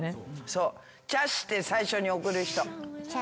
そう「ちゃし」って最初に送る人。